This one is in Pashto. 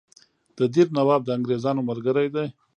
د دیر نواب د انګرېزانو ملګری دی.